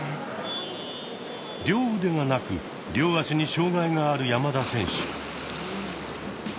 両腕がなく両足に障害がある山田選手。